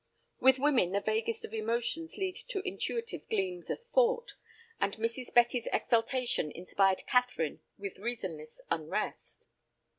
With women the vaguest of emotions lead to intuitive gleams of thought, and Mrs. Betty's exultation inspired Catherine with reasonless unrest.